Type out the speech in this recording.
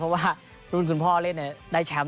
เพราะว่ารุ่นคุณพ่อเล่นได้แชมป์